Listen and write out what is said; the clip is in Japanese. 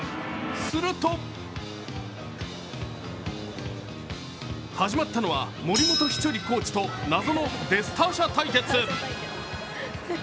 すると始まったのは森本稀哲コーチと謎のデスターシャ対決。